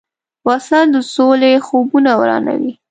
وسله د سولې خوبونه ورانوي